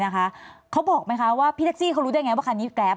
เค้าบอกไหมคะว่าที่แท็กซี่รู้ได้ไง